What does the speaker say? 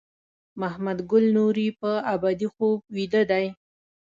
محمد ګل نوري په ابدي خوب بیده دی.